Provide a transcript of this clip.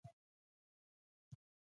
دا ټولې ډلې د سیاسي اسلام تر نامه لاندې دي.